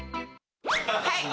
はい！